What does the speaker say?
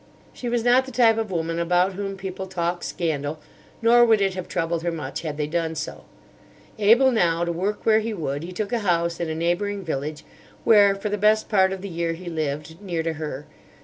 She was not the type of woman about whom people talk scandal, nor would it have troubled her much had they done so. Able now to work where he would, he took a house in a neighbouring village, where for the best part of the year he lived, near to her.